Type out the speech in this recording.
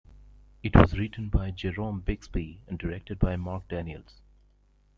It was written by Jerome Bixby and directed by Marc Daniels.